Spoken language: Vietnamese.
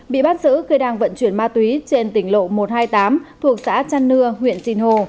bị bắt giữ khi đang vận chuyển ma túy trên tỉnh lộ một trăm hai mươi tám thuộc xã trăn nưa huyện sinh hồ